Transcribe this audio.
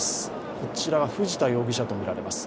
こちらが藤田容疑者とみられます。